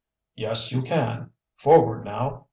"Yes, you can. Forward now!